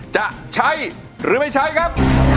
จะใช้หรือไม่ใช้ครับ